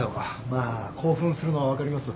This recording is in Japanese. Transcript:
まあ興奮するのは分かります。